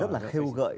rất là khêu gợi